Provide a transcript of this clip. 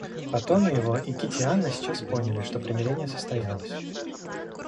По тону его и Кити и Анна сейчас поняли, что примирение состоялось.